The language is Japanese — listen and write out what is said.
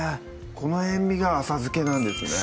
この塩みが浅漬けなんですね